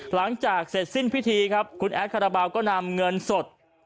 หลังจากเสร็จสิ้นพิธีครับคุณแอดคาราบาลก็นำเงินสด